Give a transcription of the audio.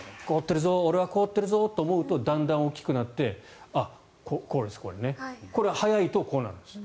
俺は凍ってるぞと思うとだんだん大きくなってこれ、速いとこうなるんです。